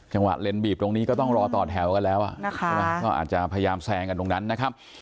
เลนบีบตรงนี้ก็ต้องรอต่อแถวกันแล้วอ่ะนะคะก็อาจจะพยายามแซงกันตรงนั้นนะครับ